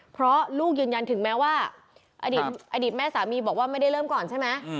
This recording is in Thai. เพราะลูกยืนยันถึงแม้ว่าอดีตแม่สามีบอกว่าไม่ได้เริ่มก่อนใช่ไหม